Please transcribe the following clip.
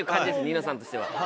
『ニノさん』としては。